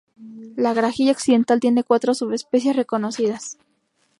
La grajilla occidental tiene cuatro subespecies reconocidas.